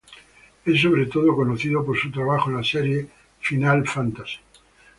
Es sobre todo conocido por su trabajo en la serie Final Fantasy.